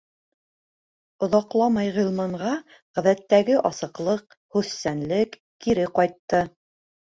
Оҙаҡламай Ғилманға ғәҙәттәге асыҡлыҡ, һүҙсәнлек кире ҡайтты.